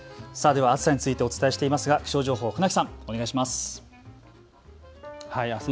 では暑さについてお伝えしていますが気象情報、船木さん、お願いします。